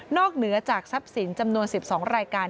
เหนือจากทรัพย์สินจำนวน๑๒รายการ